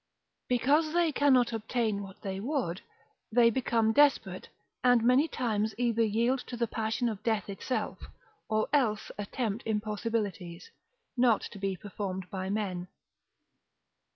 Because they cannot obtain what they would, they become desperate, and many times either yield to the passion by death itself, or else attempt impossibilities, not to be performed by men.